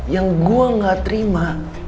yang gue gak terima